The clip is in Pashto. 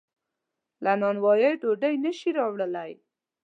له نانوایۍ ډوډۍ نشي راوړلی.